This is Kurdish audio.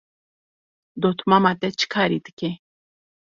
Dotmama te çi karî dike?